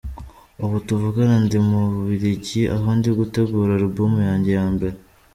Ubu tuvugana ndi mu Bubiligi, aho ndi gutegura album yanjye ya mbere.